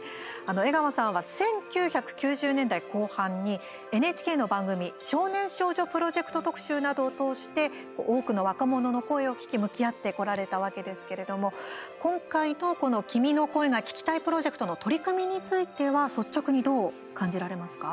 江川さんは１９９０年代後半にＮＨＫの番組「少年少女プロジェクト特集」などを通して多くの若者の声を聴き、向き合ってこられたわけですけれども今回の君の声が聴きたいプロジェクトの取り組みについては率直にどう感じられますか？